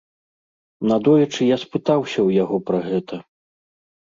Надоечы я спытаўся ў яго пра гэта.